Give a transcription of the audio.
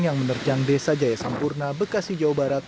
yang menerjang desa jaya sampurna bekasi jawa barat